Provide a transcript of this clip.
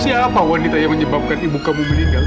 siapa wanita yang menyebabkan ibu kamu meninggal